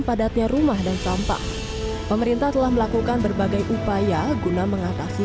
padatnya rumah dan sampah pemerintah telah melakukan berbagai upaya guna mengatasi